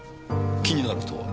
気になるとは？